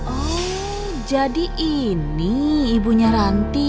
oh jadi ini ibunya ranti